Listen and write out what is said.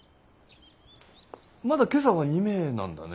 まだ今朝は２名なんだね。